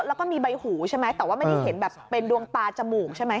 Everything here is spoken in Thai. แล้วก็มีใบหูใช่ไหมแต่ว่าไม่ได้เห็นแบบเป็นดวงตาจมูกใช่ไหม